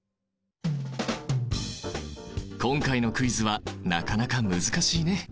今回のクイズはなかなか難しいね。